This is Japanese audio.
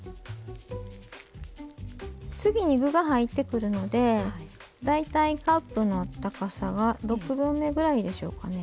次に具が入ってくるので大体カップの高さが６分目ぐらいでしょうかね。